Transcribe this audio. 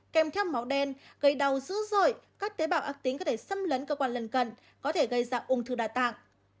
kèm theo máu đen gây đau dữ dội các tế bào ác tính có thể xâm lấn cơ quan lân cận có thể gây dạng ung thư đa tạng